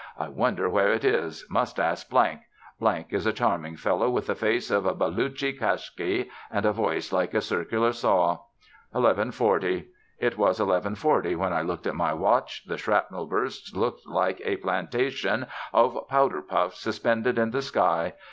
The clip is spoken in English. I wonder where it is; must ask . is a charming fellow with the face of a Baluchi Kashgai and a voice like a circular saw. 11:40 It was eleven forty when I looked at my watch. The shrapnel bursts look like a plantation of powder puffs suspended in the sky.